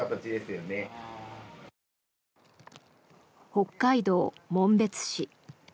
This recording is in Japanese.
北海道紋別市。